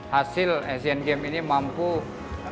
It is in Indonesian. hasil asian games ini mampu